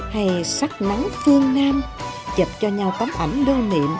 hay sắc nắng phương nam chụp cho nhau tấm ảnh đôi miệng